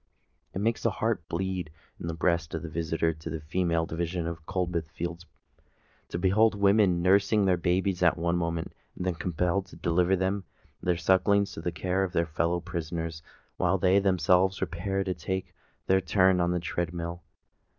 It makes the heart bleed in the breast of the visitor to the female division of Coldbath Fields, to behold women nursing their babes at one moment, and then compelled to deliver their sucklings to the care of their fellow prisoners, while they themselves repair to take their turn upon the tread mill!